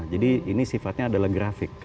jadi ini sifatnya adalah grafik